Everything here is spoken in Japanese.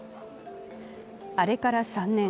あれから３年。